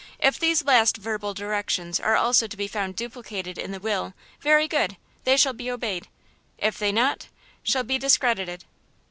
If these last verbal directions are also to be found duplicated in the will, very good, they shall be obeyed; if they not, shall be discredited."